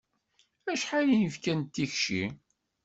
Acḥal i nefka d tikci?